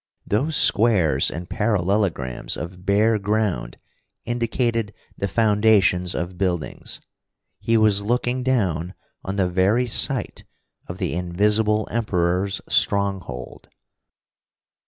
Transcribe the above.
Those squares and parallelograms of bare ground indicated the foundations of buildings. _He was looking down on the very site of the Invisible Emperor's stronghold!